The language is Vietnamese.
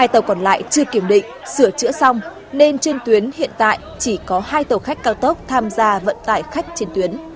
hai tàu còn lại chưa kiểm định sửa chữa xong nên trên tuyến hiện tại chỉ có hai tàu khách cao tốc tham gia vận tải khách trên tuyến